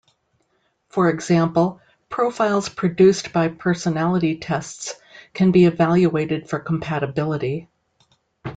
For example, profiles produced by personality tests can be evaluated for compatibility.